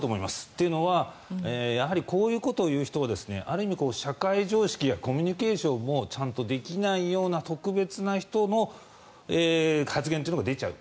というのはこういうことを言う人はある意味、社会常識やコミュニケーションがちゃんとできない人の特別な発言というのが出ちゃう。